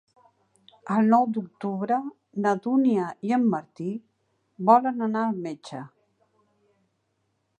El nou d'octubre na Dúnia i en Martí volen anar al metge.